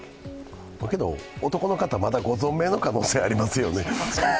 だけど男の方、まだご存命の可能性ありますよね。